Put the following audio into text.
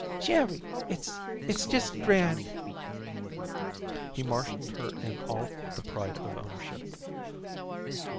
"Jerry, it it's just grand." He marshaled her in all the pride of ownership.